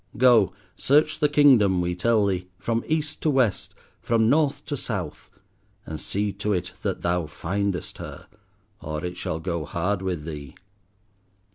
Go, search the kingdom, we tell thee, from east to west, from north to south, and see to it that thou findest her, or it shall go hard with thee.